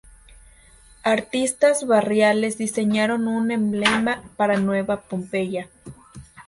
Artistas barriales diseñaron un emblema para Nueva Pompeya.